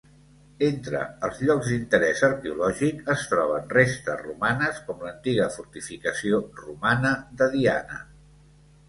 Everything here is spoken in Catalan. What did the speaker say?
Entre els llocs d'interès arqueològic, es troben restes romanes com l'antiga fortificació romana de Diana.